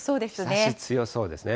日ざし強そうですね。